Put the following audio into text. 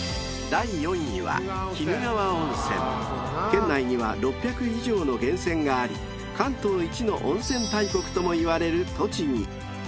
［県内には６００以上の源泉があり関東一の温泉大国ともいわれる栃木］